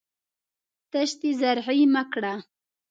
دښتې زرعي مه کړه.